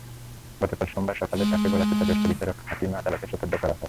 গতকাল সোমবার সকালে তাঁকে গলাচিপা জ্যেষ্ঠ বিচারিক হাকিম আদালতে সোপর্দ করা হয়।